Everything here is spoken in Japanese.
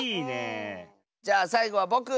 じゃあさいごはぼく！